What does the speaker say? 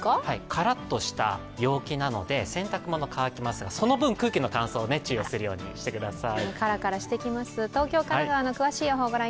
カラッととした陽気なので、洗濯物は乾きますが、その分空気の乾燥、注意するようにしてください。